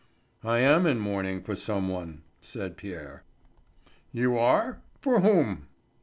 "I am in mourning for some one," said Pierre. "You are? For whom?"